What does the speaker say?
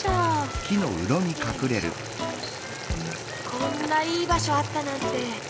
こんないいばしょあったなんて。